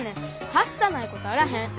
はしたないことあらへん。